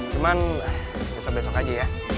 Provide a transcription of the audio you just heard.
cuman besok besok aja ya